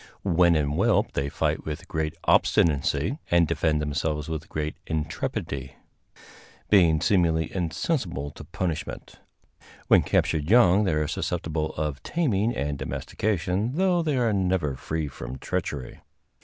When in whelp they fight with great obstinacy, and defend themselves with intrepidity, being seemingly insensible to punishment. When captured young they are susceptible of taming and domestication, though they are never free from treachery.